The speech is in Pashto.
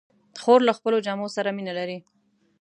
خور له خپلو جامو سره مینه لري.